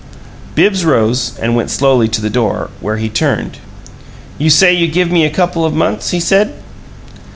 Bibbs rose and went slowly to the door, where he turned. "You say you give me a couple of months?" he said.